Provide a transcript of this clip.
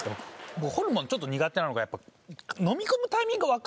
ホルモンちょっと苦手なのがやっぱ分かる分かる